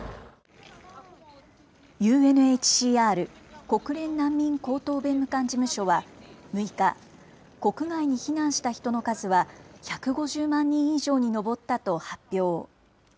ＵＮＨＣＲ・国連難民高等弁務官事務所は、６日、国外に避難した人の数は、１５０万人以上に上ったと発表。